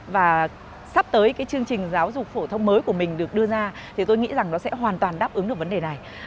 và sắp tới cái chương trình giáo dục phổ thông mới của mình được đưa ra thì tôi nghĩ rằng nó sẽ hoàn toàn đáp ứng được vấn đề này